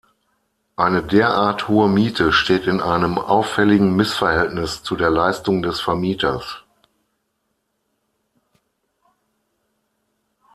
Eine derart hohe Miete steht in einem “auffälligen Missverhältnis” zu der Leistung des Vermieters.